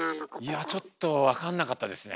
いやちょっとわかんなかったですね。